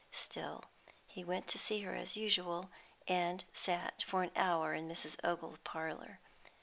Still, he went to see her as usual, and sat for an hour in Mrs. Ogle's parlour.